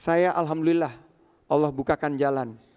saya alhamdulillah allah bukakan jalan